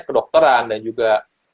kedokteran dan juga